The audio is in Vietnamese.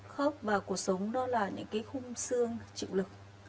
khớp vào cuộc sống đó là những cái khung xương chịu lực